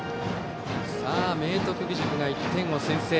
明徳義塾が１点を先制。